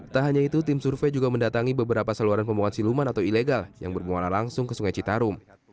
tak hanya itu tim survei juga mendatangi beberapa saluran pembuangan siluman atau ilegal yang bermuara langsung ke sungai citarum